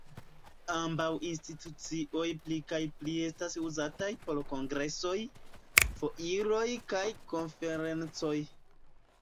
Ambaŭ institucioj pli kaj pli estas uzataj por kongresoj, foiroj kaj konferencoj.